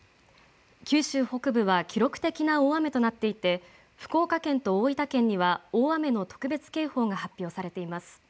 九州北部は記録的な大雨となっていて福岡県と大分県には大雨の特別警報が発表されています。